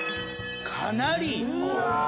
かなり。